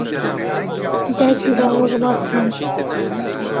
داگیراوە وڵاتمان